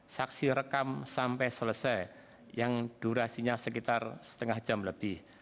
saksi rekam sampai selesai yang durasinya sekitar setengah jam lebih